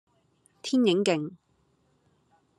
天影徑